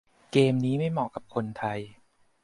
'เกม' นี้ไม่เหมาะกับคนไทย